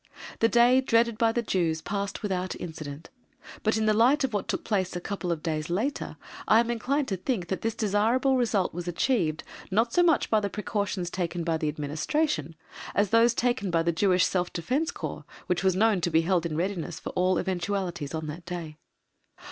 The day dreaded by the Jews passed without incident, but in the light of what took place a couple of days later, I am inclined to think that this desirable result was achieved, not so much by the precautions taken by the Administration, as by those taken by the Jewish Self Defence Corps, which was known to be held in readiness for all eventualities on that day.